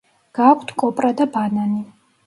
გააქვთ კოპრა და ბანანი.